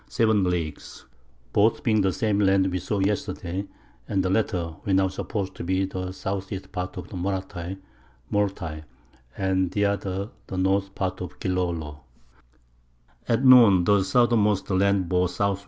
7 Leagues, both being the same Land we saw Yesterday; and the latter we now suppose to be the S. E. Part of Moratay [Mortai] and the other the N. Part of Gilolo. At Noon the Southermost Land bore S. W.